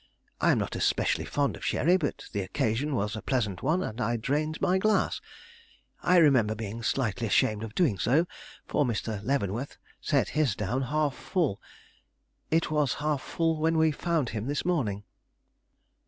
I am not especially fond of sherry, but the occasion was a pleasant one and I drained my glass. I remember being slightly ashamed of doing so, for Mr. Leavenworth set his down half full. It was half full when we found him this morning."